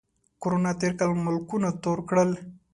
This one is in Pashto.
کرونا تېر کال ملکونه تور کړل